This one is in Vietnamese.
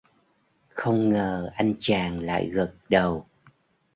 Không ngờ anh chàng lại gật đầu